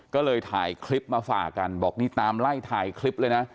ก็เลยถ่ายคลิปมาฝากกันบอกนี่ตามไล่ถ่ายคลิปเลยนะ